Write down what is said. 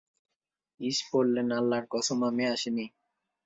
ঈস বললেনঃ আল্লাহর কসম, আমি আসিনি।